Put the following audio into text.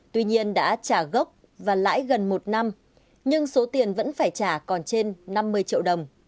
tuy nhiên đã trả gốc và lãi gần một năm nhưng số tiền vẫn phải trả còn trên năm mươi triệu đồng